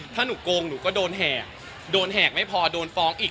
ถ้าหนูโกงหนูก็โดนแหกโดนแหกไม่พอโดนฟ้องอีก